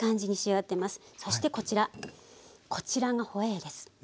そしてこちらがホエーです。